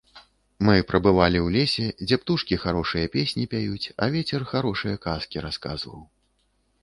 Мы прабывалі ў лесе, дзе птушкі харошыя песні пяюць, а вецер харошыя казкі расказваў.